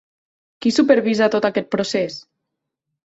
Qui supervisa tot aquest procés?